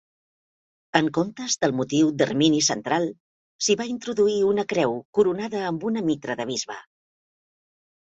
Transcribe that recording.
En comptes del motiu d'ermini central, s'hi va introduir una creu, coronada amb una mitra de bisbe.